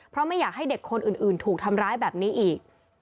เพราะไม่อยากให้เด็กคนอื่นถูกทำร้ายแบบนี้อีก